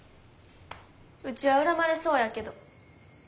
ウチは恨まれそうやけど。